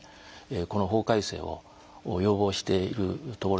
この法改正を要望しているところです。